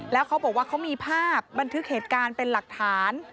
แล้วเขาบอกว่าเขามีภาพบันทึกเหตุการณ์เป็นหลักฐาน